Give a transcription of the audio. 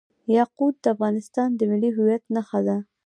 یاقوت د افغانستان د ملي هویت نښه ده.